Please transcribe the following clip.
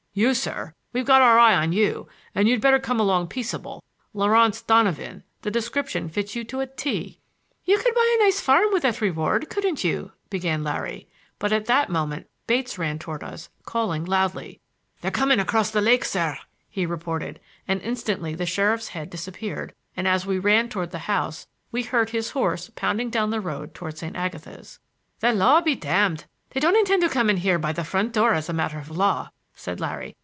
"You, sir,—we've got our eye on you, and you'd better come along peaceable. Laurance Donovan—the description fits you to a 't'." "You could buy a nice farm with that reward, couldn't you—" began Larry, but at that moment Bates ran toward us calling loudly. "They're coming across the lake, sir," he reported, and instantly the sheriff's head disappeared, and as we ran toward the house we heard his horse pounding down the road toward St. Agatha's. "The law be damned. They don't intend to come in here by the front door as a matter of law," said Larry.